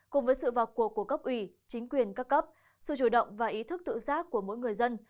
cùng với sự vào cuộc của cấp ủy chính quyền các cấp sự chủ động và ý thức tự giác của mỗi người dân